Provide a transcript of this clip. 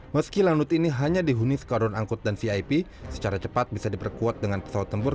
meski lanut ini hanya dihuni skadron angkut dan vip secara cepat bisa diperkuat dengan pesawat tempur